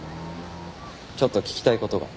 ちょっと聞きたい事が。